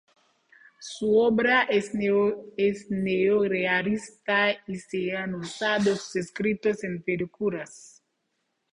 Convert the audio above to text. Su obra es neorrealista y se han usado sus escritos en películas.